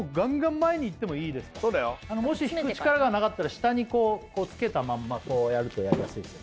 詰めてからもし引く力がなかったら下にこうつけたまんまこうやるとやりやすいですよ